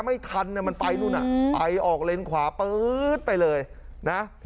ไม่ทันมันไปนู่นน่ะไปออกเลนขวาปื๊ดไปเลยนะ